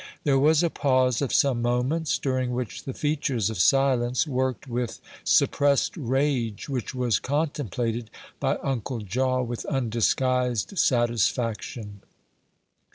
There was a pause of some moments, during which the features of Silence worked with suppressed rage, which was contemplated by Uncle Jaw with undisguised satisfaction.